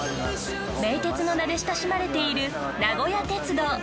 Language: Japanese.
名鉄の名で親しまれている名古屋鉄道。